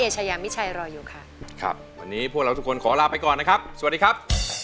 ครับวันนี้พวกเราทุกคนขอลาไปก่อนนะครับสวัสดีครับ